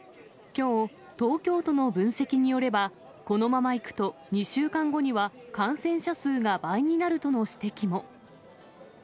きょう、東京都の分析によれば、このままいくと、２週間後には感染者数が倍になるとの指摘も。